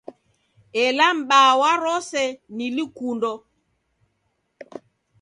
Ela m'baa wa rose, ni lukundo.